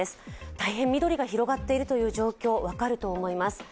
大変緑が広がっているという状況、分かると思います。